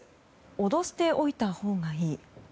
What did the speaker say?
脅しておいたほうがいい。